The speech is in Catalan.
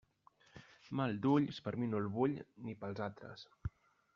Mal d'ulls, per mi no el vull, ni pels altres.